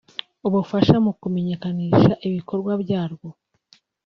ubufasha mu kumenyekanisha ibikorwa byarwo